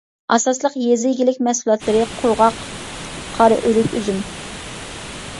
ئاساسلىق يېزا ئىگىلىك مەھسۇلاتلىرى قۇرغاق قارىئۆرۈك، ئۈزۈم.